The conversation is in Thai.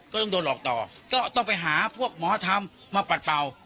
ก็ต้องโดนหลอกต่อก็ต้องไปหาพวกหมอธรรมมาปัดเป่า